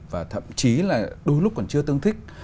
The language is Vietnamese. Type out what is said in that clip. và thậm chí là đôi lúc còn chưa tương thích